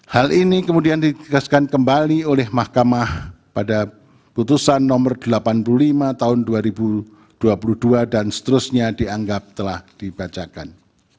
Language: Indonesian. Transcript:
hal ini kemudian ditegaskan kembali oleh mahkamah pada putusan nomor delapan puluh lima tahun dua ribu dua puluh dua dan seterusnya dianggap telah dibacakan